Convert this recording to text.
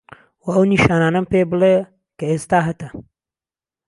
وە ئەو نیشانانەم پێ بلێ کە ئێستا هەتە؟